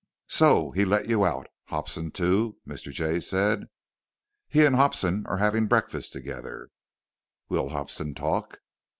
"So he let you out. Hobson too?" Mr. Jay said. "He and Hobson are having breakfast together." "Will Hobson talk?"